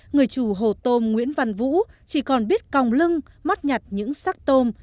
người chủ hồ tôm nguyễn văn vũ chỉ còn biết còng lưng mắt nhặt những sắc tôm